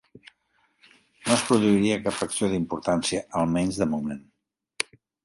No es produiria cap acció d'importància, almenys de moment